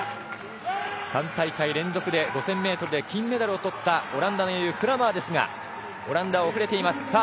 ３大会連続で５０００ｍで金メダルをとったオランダの英雄クラマーですがオランダ、遅れています。